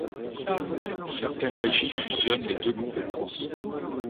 Certaines régies fusionnent les deux compétences.